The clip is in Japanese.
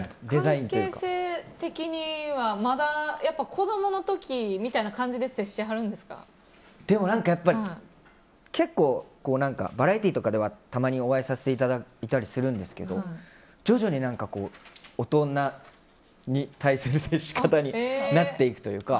関係性的にはまだ子供の時みたいな感じで結構バラエティーとかではたまにお会いさせていただいたりするんですけど徐々に、大人に対する接し方になっていくというか。